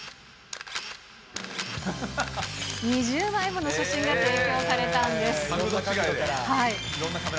２０枚もの写真が提供されたんで角度違いで。